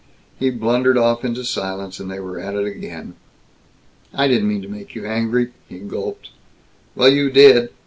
He blundered off into silence and they were at it again! "I didn't mean to make you angry," he gulped. "Well, you did!